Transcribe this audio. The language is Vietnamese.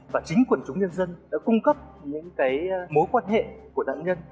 và chính quận chúng nhân dân đã cung cấp mối quan hệ của nạn nhân